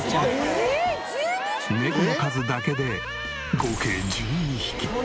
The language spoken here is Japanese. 猫の数だけで合計１２匹。